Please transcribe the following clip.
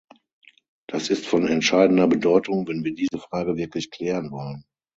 Das ist von entscheidender Bedeutung, wenn wir diese Frage wirklich klären wollen.